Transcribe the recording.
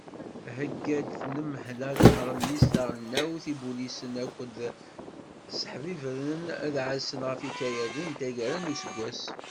Thegga-d tenmehla n tɣellist taɣelnawt ibulisen akken ad sseḥbibren, ad ɛassen ɣef yikayaden n taggara n useggas.